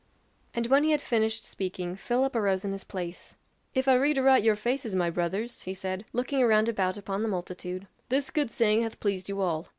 '" And when he had finished speaking, Philip arose in his place. "If I read aright your faces, my brothers," he said, looking around about upon the multitude, "this good saying hath pleased you all.